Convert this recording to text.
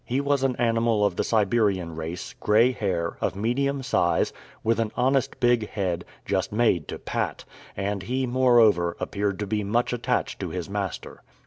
He was an animal of the Siberian race, gray hair, of medium size, with an honest big head, just made to pat, and he, moreover, appeared to be much attached to his master.